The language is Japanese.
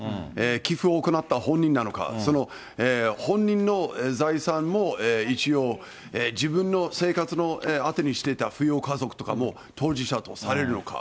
寄付を行った本人なのか、本人の財産も一応、自分の生活のあてにしてた扶養家族とかも、当事者とされるのか。